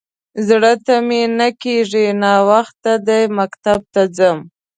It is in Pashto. _زړه ته مې نه کېږي. ناوخته دی، مکتب ته ځم.